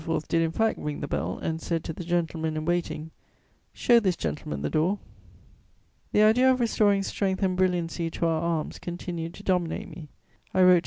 did in fact ring the bell and said to the gentleman in waiting: "Show this gentleman the door." The idea of restoring strength and brilliancy to our arms continued to dominate me. I wrote to M.